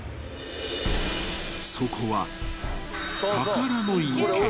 ［そこは］